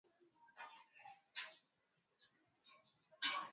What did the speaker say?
Pokea baraka za bwana maishani mwako